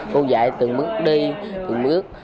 cô dạy từng bước đi từng bước